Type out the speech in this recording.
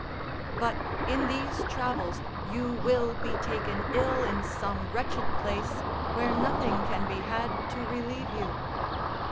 "But, in these travels, you will be taken ill in some wretched place, where nothing can be had to relieve you."